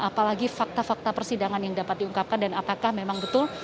apalagi fakta fakta persidangan yang dapat diungkapkan dan apakah memang betul